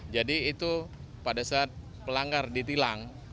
jadi itu pada saat pelanggar ditilang